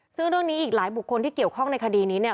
ซึ่งเรื่องนี้อีกหลายบุคคลที่เกี่ยวข้องในคดีนี้เนี่ย